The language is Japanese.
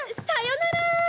さよなら。